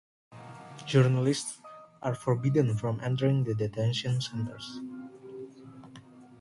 Journalists are forbidden from entering the detention centres.